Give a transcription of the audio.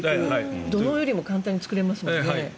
土のうよりも簡単に作れますもんね。